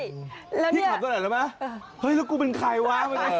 พี่ถามตัวเนี่ยแล้วมั้ยเฮ้ยแล้วกูเป็นใครวะ